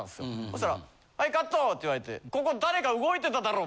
そしたら「はいカット！」って言われて「ここ誰か動いてただろ！」